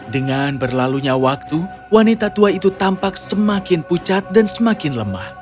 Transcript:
dengan berlalunya waktu wanita tua itu tampak semakin pucat dan semakin lemah